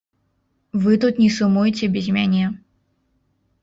Вы тут не сумуйце без мяне.